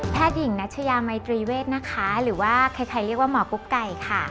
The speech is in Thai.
หญิงนัชยามัยตรีเวทนะคะหรือว่าใครเรียกว่าหมอกุ๊กไก่ค่ะ